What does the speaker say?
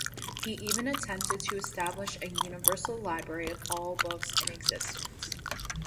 He even attempted to establish a "universal library" of all books in existence.